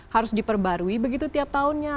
harus diperbarui begitu tiap tahunnya